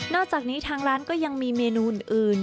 อกจากนี้ทางร้านก็ยังมีเมนูอื่น